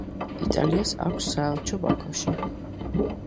იტალიას აქვს საელჩო ბაქოში.